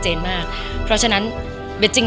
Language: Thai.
ก็ต้องยอมรับว่ามันอัดอั้นตันใจและมันกลั้นไว้ไม่อยู่จริง